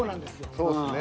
そうですね。